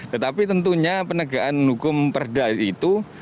tetapi tentunya penegakan hukum perda itu